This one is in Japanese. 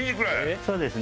そうですね。